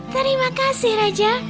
terima kasih raja